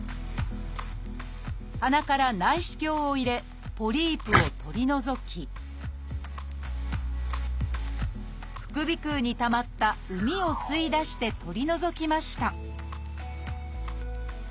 鼻から内視鏡を入れポリープを取り除き副鼻腔にたまった膿を吸い出して取り除きました